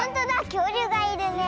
きょうりゅうがいるね。